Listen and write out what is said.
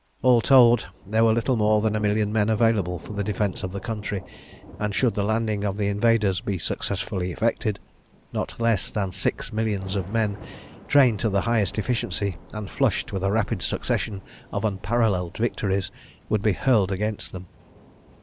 All told, there were little more than a million men available for the defence of the country; and should the landing of the invaders be successfully effected, not less than six millions of men, trained to the highest efficiency, and flushed with a rapid succession of unparalleled victories, would be hurled against them.